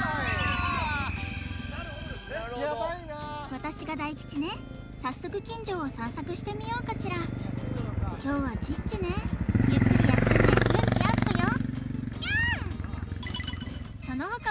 私が大吉ね早速近所を散策してみようかしら凶はチッチねゆっくり休んで運気アップよ！